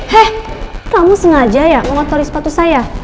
hei kamu sengaja ya mengotori sepatu saya